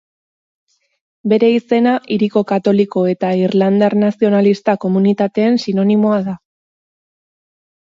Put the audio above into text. Bere izena hiriko katoliko eta irlandar nazionalista komunitateen sinonimoa da.